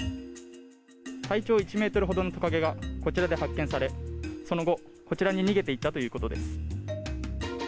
体長１ｍほどのトカゲがこちらで発見されその後、こちらに逃げていったということです。